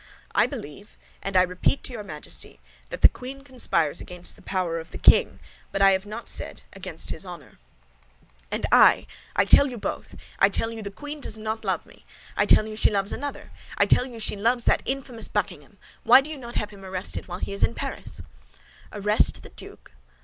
"I believe, and I repeat it to your Majesty, that the queen conspires against the power of the king, but I have not said against his honor." "And I—I tell you against both. I tell you the queen does not love me; I tell you she loves another; I tell you she loves that infamous Buckingham! Why did you not have him arrested while in Paris?" "Arrest the Duke!